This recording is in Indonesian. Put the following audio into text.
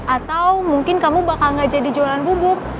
atau mungkin kamu bakal gak jadi jualan bubuk